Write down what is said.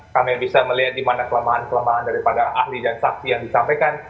kami bisa melihat di mana kelemahan kelemahan daripada ahli dan saksi yang disampaikan